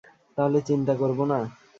তাহলে চিন্তা করবো না?